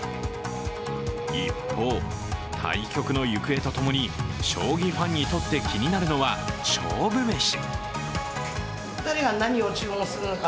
一方、対局の行方とともに将棋ファンにとって気になるのは勝負めし。